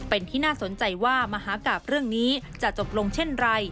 เป็นที่น่าสนใจว่ามหากราบเรื่องนี้จะจบลงเช่นไร